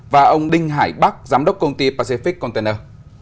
và ông đinh hải bắc giám đốc công ty pacific container